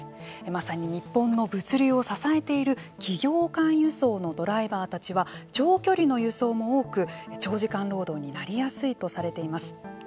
まさに日本の物流を支えている企業間輸送のドライバーたちは長距離の輸送も多く長時間労働になりやすいとされています。